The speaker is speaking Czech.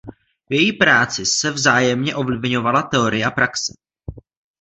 V její práci se vzájemně ovlivňovala teorie a praxe.